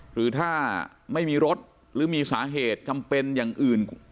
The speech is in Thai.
หรือถ้าไม่มีรถหรือมีสาเหตุจำเป็นอย่างอื่น